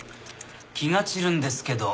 気が散るんですけど。